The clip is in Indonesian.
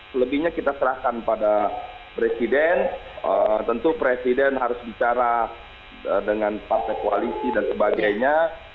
selebihnya kita serahkan pada presiden tentu presiden harus bicara dengan partai koalisi dan sebagainya